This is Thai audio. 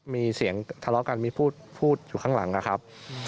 มีเสียงทะเลาะกันมีพูดอยู่ข้างหลังนะครับ